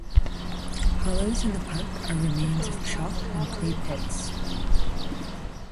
Hollows in the park are remains of chalk and clay pits.